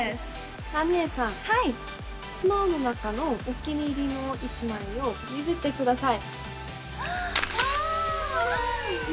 ダニエルさん、スマホの中のお気に入りの１枚を見せてください。